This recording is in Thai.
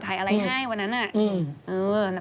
ถ่ายอะไรให้วันนั้นน่ะ